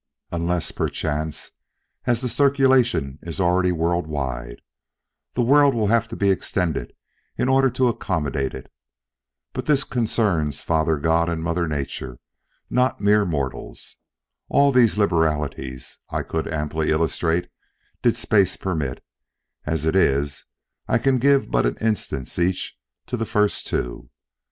Unless, perchance, as the circulation is already "world wide," the world will have to be extended in order to accommodate it. But this concerns Father God or Mother Nature, not mere mortals. All these liberalities I could amply illustrate did space permit; as it is, I can give but an instance each to the first two.